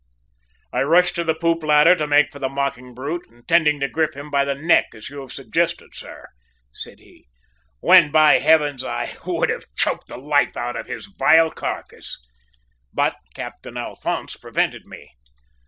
"I rushed to the poop ladder to make for the mocking brute, intending to grip him by the neck, as you have suggested, sir," said he, "when, by heavens, I would have choked the life out of his vile carcass! "But Captain Alphonse prevented me.